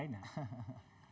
tidak menonton acara yang lainnya